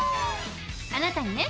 あなたにね